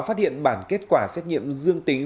phát hiện bản kết quả xét nghiệm dưng tính